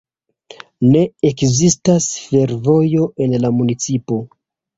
Ne ekzistas fervojo en la municipo.